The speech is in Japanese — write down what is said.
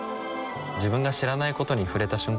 自分が知らないことに触れた瞬間